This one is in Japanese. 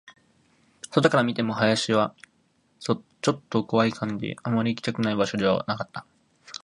外から見ても、林はちょっと怖い感じ、あまり行きたい場所ではなかった